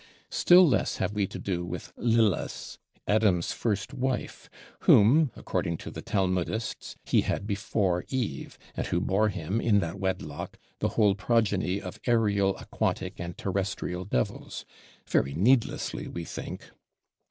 Still less have we to do with "Lilis, Adam's first wife, whom, according to the Talmudists, he had before Eve, and who bore him, in that wedlock, the whole progeny of aërial, aquatic, and terrestrial Devils," very needlessly, we think.